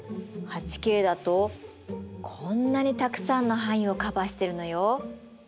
８Ｋだとこんなにたくさんの範囲をカバーしてるのよ。